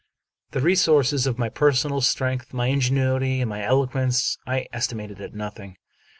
The resources of my personal strength, my in genuity, and my eloquence, I estimated at nothing.